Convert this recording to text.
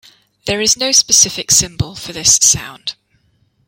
There is no specific symbol for this sound.